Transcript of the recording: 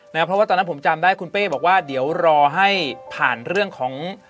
เพราะว่าตอนนั้นผมจำได้คุณเป้บอกว่าเดี๋ยวรอให้ผ่านเรื่องของ